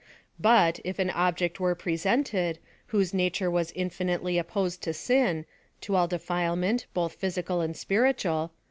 But, if an object were presented, whose nature was infinitely opposed tc sin — to all defilement, both physical and spiritual — PLAN OF SALVATION.